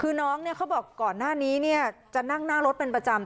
คือน้องเขาบอกก่อนหน้านี้จะนั่งหน้ารถเป็นประจำ